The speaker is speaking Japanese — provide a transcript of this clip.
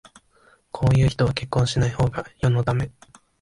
こういう人は結婚しないほうが世のため